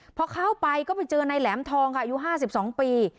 พอเข้าไปก็ไปเจอในแหลมทองค่ะอายุห้าสิบสองปี